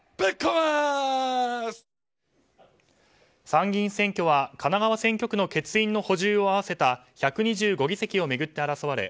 参議院選挙は神奈川選挙区の欠員の補充を合わせた１２５議席を巡って争われ